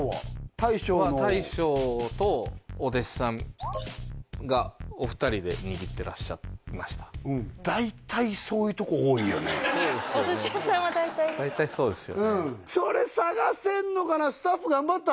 大将の大将とお弟子さんがお二人で握ってらっしゃいましたお寿司屋さんは大体ね大体そうですよねそれ探せんのかなスタッフ頑張った？